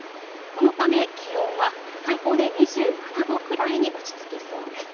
このため気温は最高で２７度くらいに落ち着きそうです。